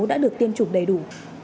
đã được tiêm chủng đầy đủ